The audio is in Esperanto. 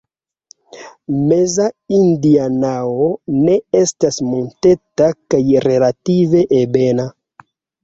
Meza Indianao ne estas monteta kaj relative ebena.